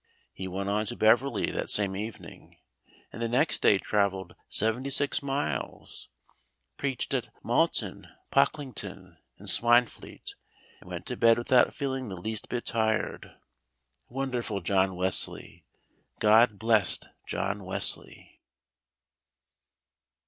He went on to Beverley that same evening, and the next day travelled seventy six miles, preached at Malton, Pocklington, and Swinefleet, and went to bed without feeling the least bit tired. Wonderful John Wesley! God blest John Wesley!